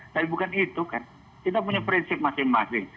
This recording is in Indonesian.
tapi bukan itu kan kita punya prinsip masing masing